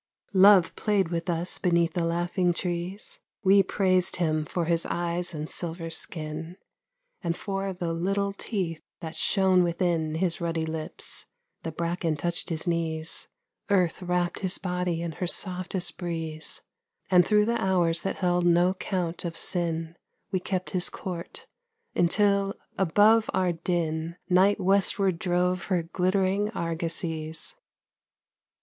Love played with us beneath the laughing trees, We praised him for his eyes and silver skin, And for the little teeth that shone within His ruddy lips ; the bracken touched his knees, Earth wrapped his body in her softest breeze, And through the hours that held no count of sin We kept his court, until above our din Night westward drove her glittering argosies.